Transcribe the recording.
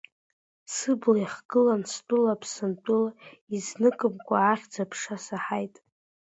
Сыбла ихгылан стәыла, Аԥсынтәыла, изныкымкәа ахьӡ-аԥша саҳаит.